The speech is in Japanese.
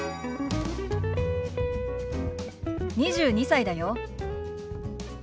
２２歳だよ。